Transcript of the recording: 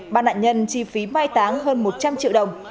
ba nạn nhân chi phí mai táng hơn một trăm linh triệu đồng